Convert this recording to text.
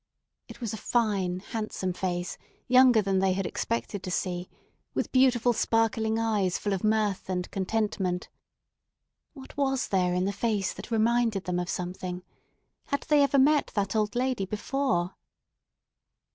It was a fine, handsome face, younger than they had expected to see, with beautiful sparkling eyes full of mirth and contentment. What was there in the face that reminded them of something? Had they ever met that old lady before?